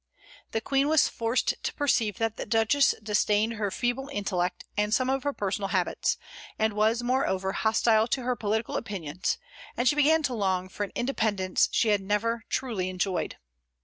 The Queen was forced to perceive that the Duchess disdained her feeble intellect and some of her personal habits, and was, moreover, hostile to her political opinions; and she began to long for an independence she had never truly enjoyed.